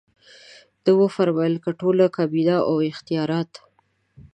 ده وفرمایل که ټوله کابینه او اختیارات.